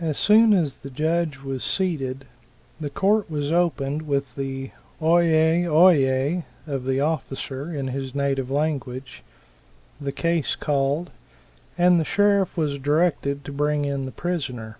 As soon as the judge was seated, the court was opened with the "oi yis, oi yis" of the officer in his native language, the case called, and the sheriff was directed to bring in the prisoner.